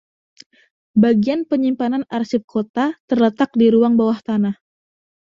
Bagian penyimpanan arsip kota terletak di ruang bawah tanah.